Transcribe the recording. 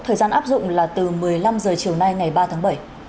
thời gian áp dụng là từ một mươi năm h chiều nay ngày ba tháng bảy